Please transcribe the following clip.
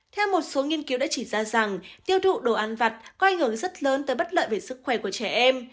theo một số nghiên cứu đã chỉ ra rằng tiêu thụ đồ ăn vặt có ảnh hưởng rất lớn tới bất lợi về sức khỏe của trẻ em